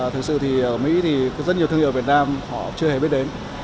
thực sự thì ở mỹ thì có rất nhiều thương hiệu việt nam họ chưa hề biết đến